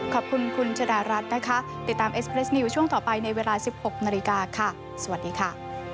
ขอบคุณคุณชดารัฐนะคะติดตามเอสเรสนิวช่วงต่อไปในเวลา๑๖นาฬิกาค่ะสวัสดีค่ะ